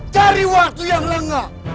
cari waktu yang lengah